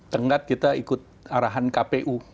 tenggat kita ikut arahan kpu